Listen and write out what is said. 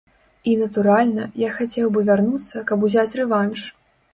І, натуральна, я хацеў бы вярнуцца, каб узяць рэванш.